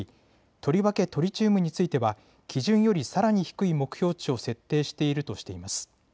とりわけトリチウムについては基準よりさらに低い目標値を設定しているとしています。